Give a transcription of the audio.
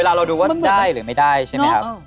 เวลาเราดูได้หรือไม่ได้ใช่มั้ยครับ